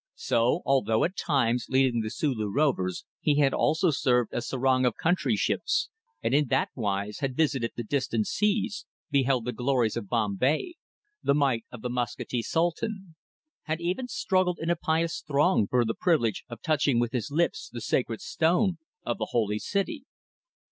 So, although at times leading the Sulu rovers, he had also served as Serang of country ships, and in that wise had visited the distant seas, beheld the glories of Bombay, the might of the Mascati Sultan; had even struggled in a pious throng for the privilege of touching with his lips the Sacred Stone of the Holy City.